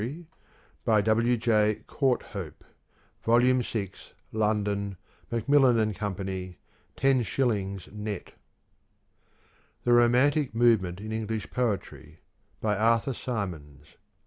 By W. J. Courthope. Vol. VI. London: Macmillan and Co. 10^. net. " The Romantic Movement in English Poetry." By Arthur Symons.